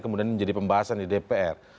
kemudian ini menjadi pembahasan di dpr